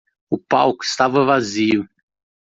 O palco estava vazio.